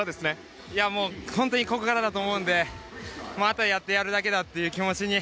本当にここからだと思うのであとはやってやるだけだという気持ちに。